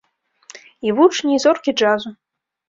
І вучні, і зоркі джазу.